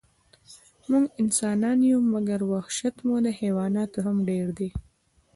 موږ انسانان یو، مګر وحشت مو تر حیواناتو هم ډېر ده.